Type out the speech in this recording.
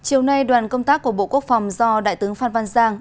chiều nay đoàn công tác của bộ quốc phòng do đại tướng phan văn giang